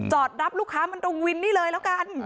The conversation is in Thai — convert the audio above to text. รับลูกค้ามันตรงวินนี่เลยแล้วกัน